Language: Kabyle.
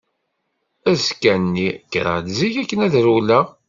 Azekka-nni kkreɣ-d zik akken ad rewleɣ.